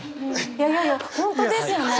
いやいや本当ですよね。